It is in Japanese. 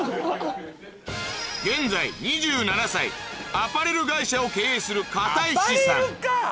現在２７歳アパレル会社を経営する片石さん